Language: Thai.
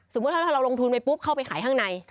สมมุติว่าถ้าเราลงทุนไปปุ๊บเข้าไปขายข้างใน